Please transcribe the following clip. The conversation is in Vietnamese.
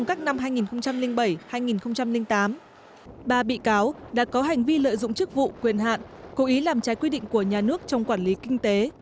trong các năm hai nghìn bảy hai nghìn tám ba bị cáo đã có hành vi lợi dụng chức vụ quyền hạn cố ý làm trái quy định của nhà nước trong quản lý kinh tế